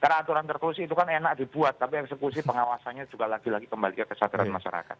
karena aturan perklusi itu kan enak dibuat tapi eksekusi pengawasannya juga lagi lagi kembali ke kesadaran masyarakat